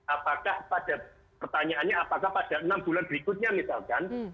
apakah pada pertanyaannya apakah pada enam bulan berikutnya misalkan